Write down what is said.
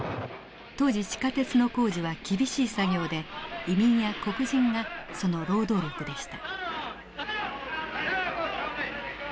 当時地下鉄の工事は厳しい作業で移民や黒人がその労働力でした。